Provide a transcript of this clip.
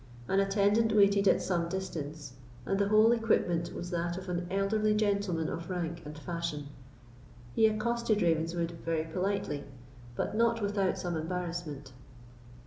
An attendant waited at some distance, and the whole equipment was that of an elderly gentleman of rank and fashion. He accosted Ravenswood very politely, but not without some embarrassment.